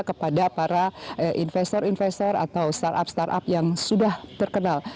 kepada para investor investor atau startup startup yang sudah terkenal